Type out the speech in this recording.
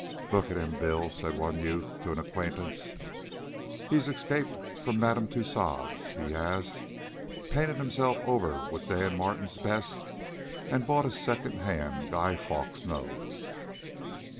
"Look at him, Bill," said one youth to an acquaintance; "he's escaped from Madame Tussaud's, he has. Painted hisself over with Day & Martin's best, and bought a secondhand Guy Fawkes nose."